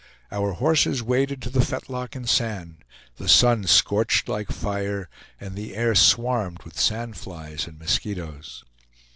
Our horses waded to the fetlock in sand; the sun scorched like fire, and the air swarmed with sand flies and mosquitoes.